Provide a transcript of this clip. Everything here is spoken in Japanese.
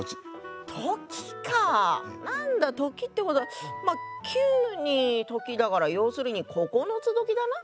なんだ「とき」ってことはまあ「九」に「とき」だから要するに九つどきだな。